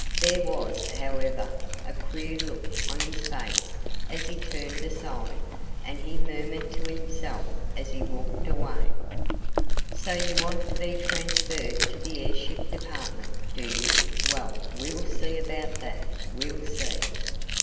There was, however, a queer look on his face as he turned aside, and he murmured to himself, as he walked away: "So you want to be transferred to the airship department, do you? Well, we'll see about that. We'll see."